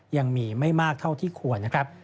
ยังมีไม่มากเท่าที่ควร